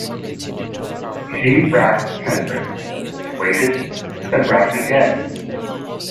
She rapped gently, waited, then rapped again.